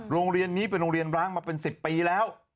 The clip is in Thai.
โรงเรียนนี้เป็นโรงเรียนร้างมาเป็น๑๐ปีแล้ว